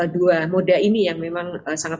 dua moda ini yang memang sangat